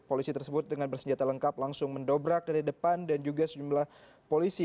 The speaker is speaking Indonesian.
polisi tersebut dengan bersenjata lengkap langsung mendobrak dari depan dan juga sejumlah polisi